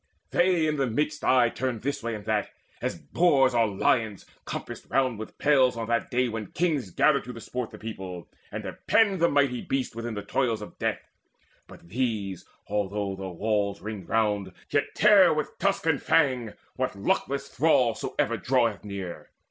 They in the midst aye turned this way and that, As boars or lions compassed round with pales On that day when kings gather to the sport The people, and have penned the mighty beasts Within the toils of death; but these, although With walls ringed round, yet tear with tusk and fang What luckless thrall soever draweth near.